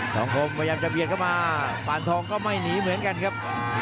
สังคมพยายามจะเบียดเข้ามาปานทองก็ไม่หนีเหมือนกันครับ